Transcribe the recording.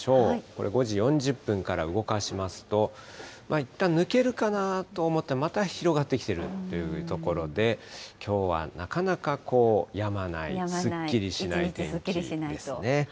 これ、５時４０分から動かしますと、いったん抜けるかなと思っても、また広がってきてるというところで、きょうはなかなかやまない、すっきりしないですね。